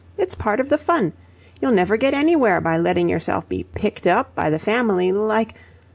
It's part of the fun. You'll never get anywhere by letting yourself be picked up by the family like...